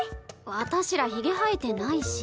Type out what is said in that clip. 私らヒゲ生えてないし。